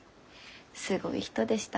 すごい人でした。